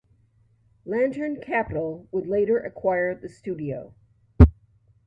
Lantern Capital would later acquire the studio.